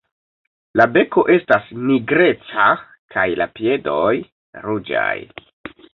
La beko estas nigreca kaj la piedoj ruĝaj.